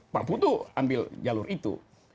pak putu ambil jalur itu